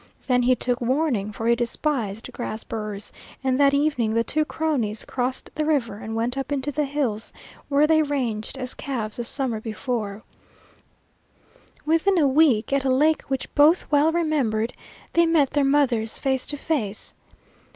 Then he took warning, for he despised grass burrs, and that evening the two cronies crossed the river and went up into the hills where they had ranged as calves the summer before Within a week, at a lake which both well remembered, they met their mothers face to face.